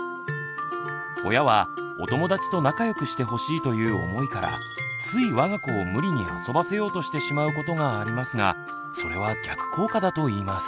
親は「お友達と仲良くしてほしい」という思いからついわが子を無理に遊ばせようとしてしまうことがありますがそれは逆効果だといいます。